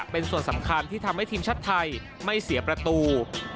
เป็นส่วนสำคัญที่ทำให้ทีมชาติไทยไม่เสียประตู